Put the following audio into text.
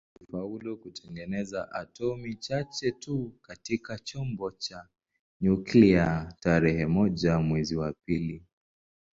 Walifaulu kutengeneza atomi chache tu katika chombo cha nyuklia tarehe moja mwezi wa pili